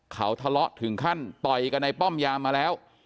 เขาทะเลาะถึงขั้นต่อยกันในป้อมยามมาแล้ว